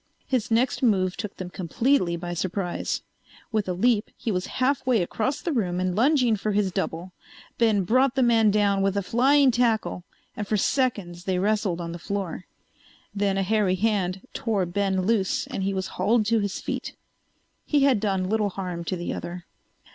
His next move took them completely by surprise. With a leap he was half way across the room and lunging for his double. Ben brought the man down with a flying tackle and for seconds they wrestled on the floor. Then a hairy hand tore Ben loose and he was hauled to his feet. He had done little harm to the other.